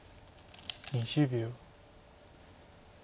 ２０秒。